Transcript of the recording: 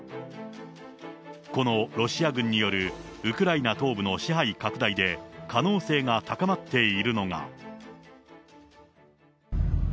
このロシア軍によるウクライナ東部の支配拡大で可能性が高まっているのが。